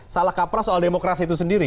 salah kaprah soal demokrasi itu sendiri